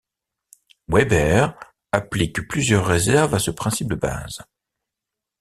Weber applique plusieurs réserves à ce principe de base.